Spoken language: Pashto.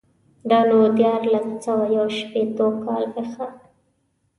دا نو دیارلس سوه یو شپېتو کال پېښه وه.